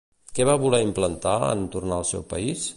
Què va voler implantar en tornar al seu país?